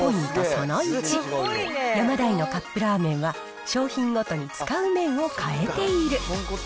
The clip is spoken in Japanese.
その１、ヤマダイのカップラーメンは、商品ごとに使う麺を変えている。